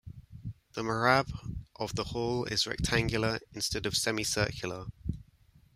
The mehrab of the hall is rectangular instead of semi-circular.